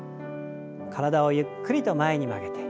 体をゆっくりと前に曲げて。